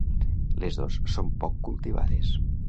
Les dos són poc cultivades.